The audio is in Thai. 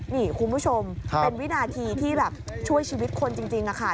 นี่คุณผู้ชมเป็นวินาทีที่แบบช่วยชีวิตคนจริงค่ะ